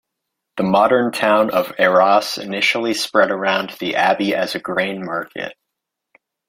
The modern town of Arras initially spread around the abbey as a grain market.